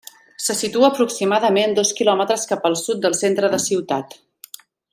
Se situa aproximadament dos quilòmetres cap al sud del centre de ciutat.